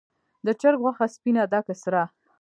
د چرګ غوښه سپینه ده که سره؟